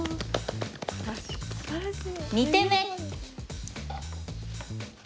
２手目。